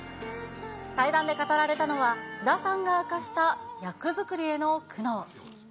対談で語られたのは、菅田さんが明かした役作りへの苦悩。